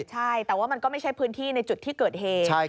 ใช่แต่ว่ามันก็ไม่ใช่พื้นที่ในจุดที่เกิดเหตุ